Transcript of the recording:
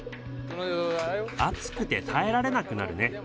暑くて耐えられなくなるね。